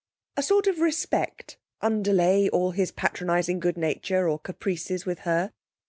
A sort of respect underlay all his patronising good nature or caprices with her.